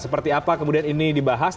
seperti apa kemudian ini dibahas